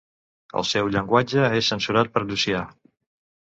El seu llenguatge és censurat per Llucià.